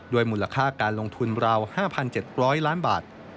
มูลค่าการลงทุนราว๕๗๐๐ล้านบาท